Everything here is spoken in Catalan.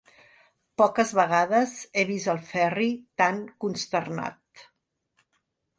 Poques vegades he vist el Ferri tan consternat.